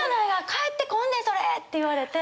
返ってこんでそれって言われて。